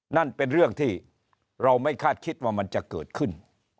นั่นเป็นเรื่องที่เราไม่คาดคิดว่ามันจะเกิดขึ้น